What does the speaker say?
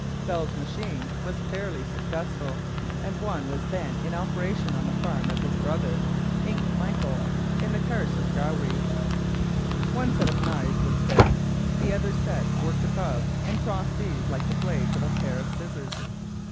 Bell's machine was fairly successful, and one was then in operation on the farm of his brother, Inch Michael, in the Carse of Gowrie. One set of knives was fixed, another set worked above and across these like the blades of a pair of scissors.